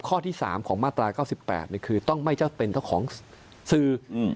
ข้อที่๓ของมาตรา๙๘คือต้องไม่เจ้าเป็นเจ้าของสื่อ